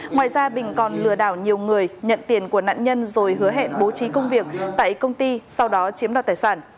ngoài ra bình còn lừa đảo nhiều người nhận tiền của nạn nhân rồi hứa hẹn bố trí công việc tại công ty sau đó chiếm đoạt tài sản